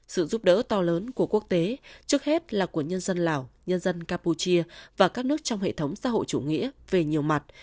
sự giúp đỡ to lớn của quốc tế trước hết là của nhân dân lào nhân dân campuchia và các nước trong hệ thống xã hội chủ nghĩa về nhiều mặt